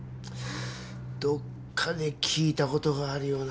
どっかで聞いたことがあるような。